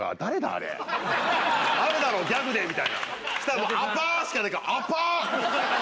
あれ「あるだろうギャグで」みたいなしたら僕「アパー」しかないから「アパー」？